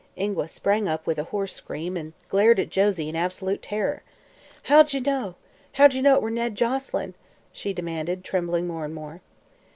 Ingua sprang up with a hoarse scream and glared at Josie in absolute terror. "How'd ye know? How'd ye know it were Ned Joselyn?" she demanded, trembling more and more.